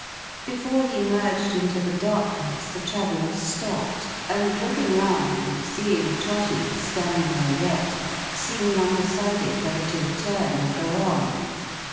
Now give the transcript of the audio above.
Before he merged into the darkness the traveller stopped; and looking round, and seeing Trotty standing there yet, seemed undecided whether to return or go on.